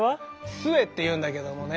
壽衛っていうんだけどもね。